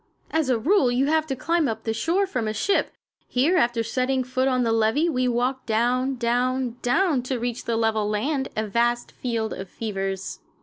As a rule you have to climb up to the shore from a ship. Here, after setting foot on the levee, we walked down, down, down to reach the level land a vast field of fevers.